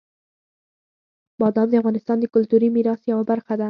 بادام د افغانستان د کلتوري میراث یوه برخه ده.